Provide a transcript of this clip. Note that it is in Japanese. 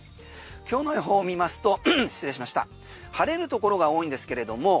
今日の予報を見ますと晴れるところが多いんですけれども